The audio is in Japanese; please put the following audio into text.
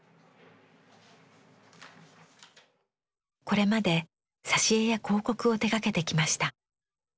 これまで挿絵や広告を手がけてきました。